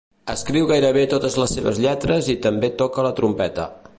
Escriu gairebé totes les seves lletres i també toca la trompeta.